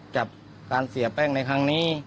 จับการเสียแป้งในครั้งนี้